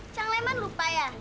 cang leman lupa ya